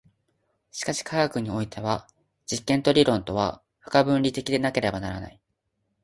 しかし科学においては実験と理論とは不可分離的でなければならない。